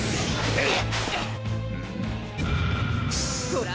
えっ？